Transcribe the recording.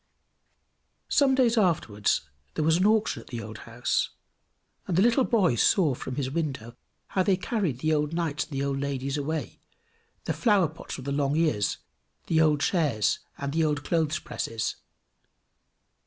Some days afterwards there was an auction at the old house, and the little boy saw from his window how they carried the old knights and the old ladies away, the flower pots with the long ears, the old chairs, and the old clothes presses.